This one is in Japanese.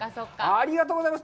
ありがとうございます。